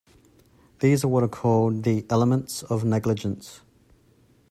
These are what are called the "elements" of negligence.